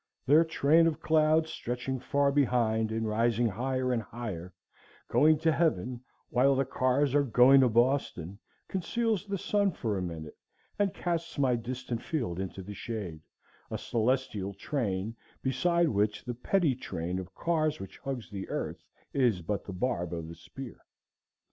Their train of clouds stretching far behind and rising higher and higher, going to heaven while the cars are going to Boston, conceals the sun for a minute and casts my distant field into the shade, a celestial train beside which the petty train of cars which hugs the earth is but the barb of the spear.